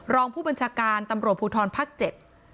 รองผู้บัญชาการตำรวจภูทรภาคเจ็ด